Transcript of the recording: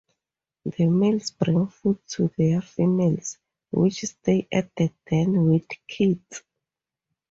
The males bring food to their females, which stay at the den with kits.